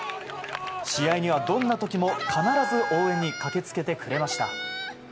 試合には、どんな時も必ず応援に駆けつけてくれました。